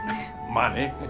まあね。